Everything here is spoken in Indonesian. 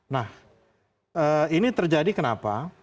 nah ini terjadi kenapa